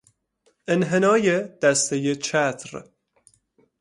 انحنای دستهی چتر